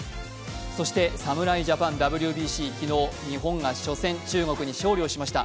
そして侍ジャパン、ＷＢＣ、昨日、日本が初戦、中国に勝利しました。